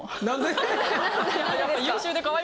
何で？